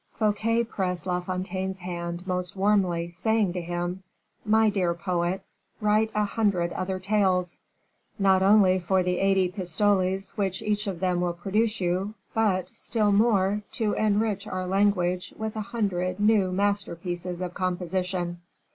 Fouquet pressed La Fontaine's hand most warmly, saying to him, "My dear poet, write a hundred other tales, not only for the eighty pistoles which each of them will produce you, but, still more, to enrich our language with a hundred new masterpieces of composition."